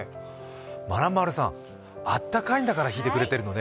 まなまるさん、「あったかいんだからぁ」弾いてくれてるのね。